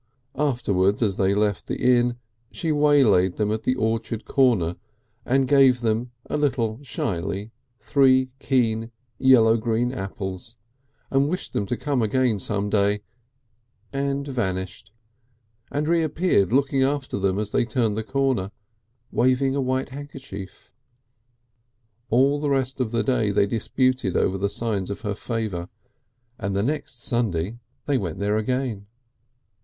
Afterwards as they left the inn she waylaid them at the orchard corner and gave them, a little shyly, three keen yellow green apples and wished them to come again some day, and vanished, and reappeared looking after them as they turned the corner waving a white handkerchief. All the rest of that day they disputed over the signs of her favour, and the next Sunday they went there again.